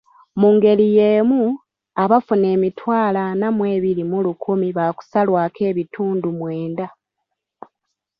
Mungeri yeemu, abafuna emitwalo ana mw'ebiri mu lukumi bakusalwako ebitundu mwenda.